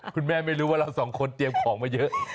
ไม่รู้ว่าเราสองคนเตรียมของมาเยอะ